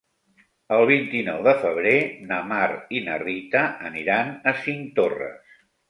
El vint-i-nou de febrer na Mar i na Rita aniran a Cinctorres.